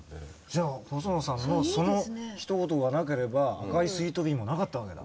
じゃあ細野さんのそのひと言がなければ「赤いスイートピー」もなかったわけだ。